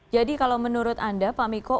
jadi kalau menurut anda pak miko